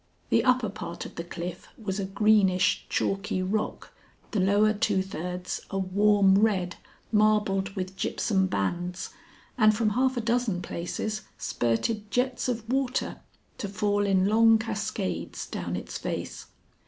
The upper part of the cliff was a greenish chalky rock, the lower two thirds a warm red, marbled with gypsum bands, and from half a dozen places spurted jets of water, to fall in long cascades down its face.